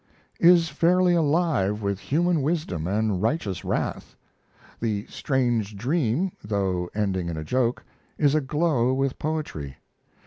] is fairly alive with human wisdom and righteous wrath. The "Strange Dream," though ending in a joke, is aglow with poetry.